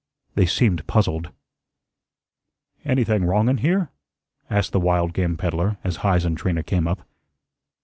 They seemed puzzled. "Anything wrong in here?" asked the wild game peddler as Heise and Trina came up.